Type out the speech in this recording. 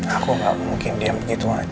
aku gak mungkin diam gitu aja